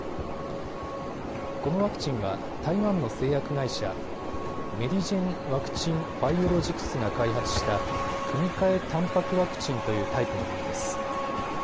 このワクチンは台湾の製薬会社、メディジェン・ワクチン・バイオロジクスが開発した組み換えたんぱくワクチンというタイプのものです。